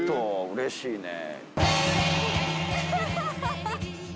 うれしいね。